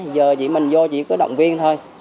giờ chỉ mình vô chỉ có động viên thôi